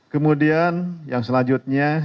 kemudian yang selanjutnya